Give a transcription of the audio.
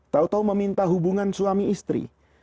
tau tau meminta hubungan suami istri